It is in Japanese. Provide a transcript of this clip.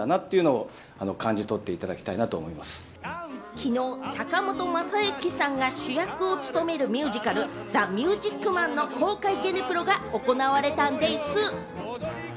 昨日、坂本昌行さんが主役を務めるミュージカル、『ザ・ミュージック・マン』の公開ゲネプロが行われたんでぃす！